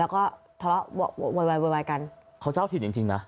แล้วก็ท้อ้ววัววัวววเค้าจะเอาถิดจริงจริงน่ะ